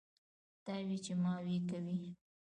تاوې چې ماوې کوي.